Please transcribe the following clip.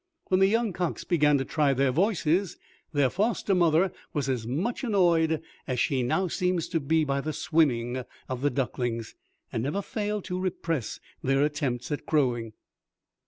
When the young cocks began to try their voices, their foster mother was as much annoyed as she now seems to be by the swimming of the ducklings, and never failed to repress their attempts at crowing.